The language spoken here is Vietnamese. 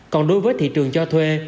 còn đối với thị trường cho thuê